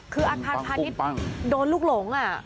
คืออาคารพาณิชย์โดนลูกหลง